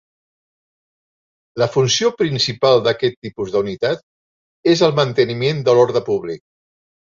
La funció principal d'aquest tipus d'unitats és el manteniment de l'ordre públic.